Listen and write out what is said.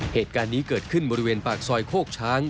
เหตุการณ์นี้เกิดขึ้นบริเวณปากซอยโคกช้าง